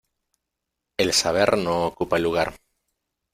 El saber no ocupa lugar.